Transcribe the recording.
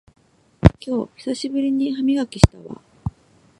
今日久しぶりに歯磨きしたわ